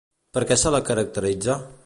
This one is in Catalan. Per què se la caracteritza?